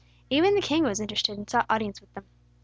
Even the king was interested, and sought audience with them."